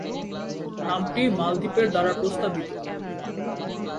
নামটি মালদ্বীপের দ্বারা প্রস্তাবিত।